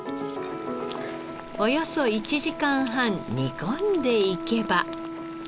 およそ１時間半煮込んでいけば。